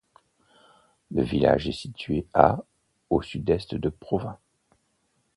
Le village est situé à au sud-est de Provins.